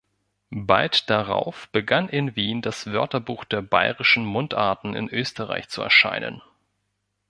Bald darauf begann in Wien das Wörterbuch der bairischen Mundarten in Österreich zu erscheinen.